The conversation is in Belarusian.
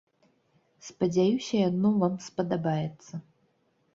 Спадзяюся, яно вам спадабаецца.